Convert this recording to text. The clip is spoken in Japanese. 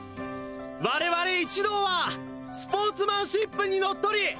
我々一同はスポーツマンシップにのっとり